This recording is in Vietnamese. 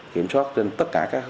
kiểm soát trên tất cả các trường hợp